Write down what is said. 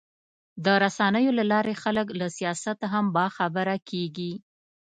د رسنیو له لارې خلک له سیاست هم باخبره کېږي.